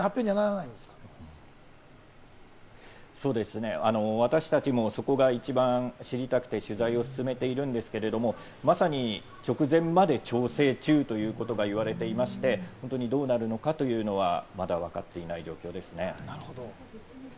そうですね、私達もそこが一番知りたくて取材を進めているんですけれども、まさに直前まで調整中ということが言われていまして、どうなるのかというのは、まだわかっていない状況ですね。